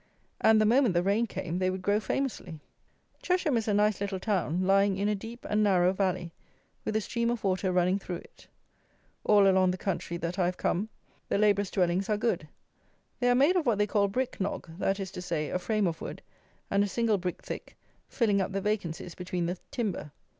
And, the moment the rain came, they would grow famously. Chesham is a nice little town, lying in a deep and narrow valley, with a stream of water running through it. All along the country that I have come the labourers' dwellings are good. They are made of what they call brick nog; that is to say, a frame of wood, and a single brick thick, filling up the vacancies between the timber.